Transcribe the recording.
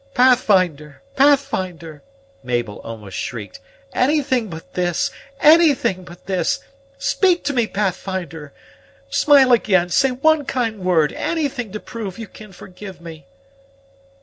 "Pathfinder! Pathfinder!" Mabel almost shrieked; "anything but this, anything but this! Speak to me, Pathfinder! Smile again, say one kind word, anything to prove you can forgive me."